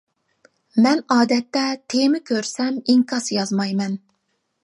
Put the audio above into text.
مەن ئادەتتە تېما كۆرسەم ئىنكاس يازمايمەن.